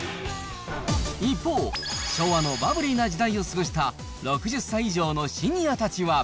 一方、昭和のバブリーな時代を過ごした６０歳以上のシニアたちは。